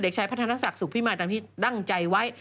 เด็กชายพัฒนศักดิ์สักษ์สุภิมายตามที่ดั้งใจไว้